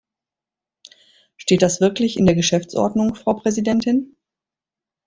Steht das wirklich in der Geschäftsordnung, Frau Präsidentin?